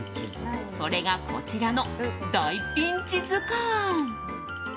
それがこちらの「大ピンチずかん」。